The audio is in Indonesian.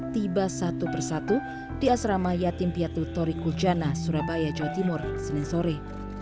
tiba satu persatu di asrama yatim piatu tori kujana surabaya jawa timur senin sore